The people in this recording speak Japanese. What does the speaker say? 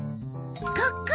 ここ！